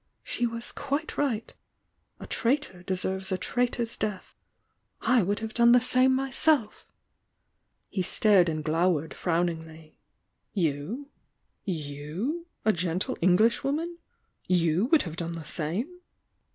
— she was quite right! — a traitor deserves a traitor's death! — I would have done the same myself!" He stared and glowered frowningly. "You? You, — a gentle Englishwoman? — you would have done the same?"